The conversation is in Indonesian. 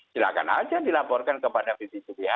silahkan aja dilaporkan kepada bpjpa